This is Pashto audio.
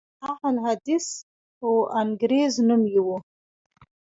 د اهل حدیث وانګریز نوم یې و.